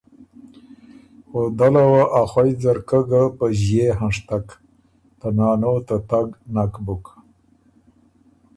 او دله وه ا خوئ ځرکۀ ګه په ݫيې هنشتک ته نانو ته تګ نک بُک